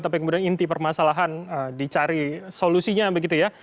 tapi kemudian inti permasalahan dicari solusinya begitu ya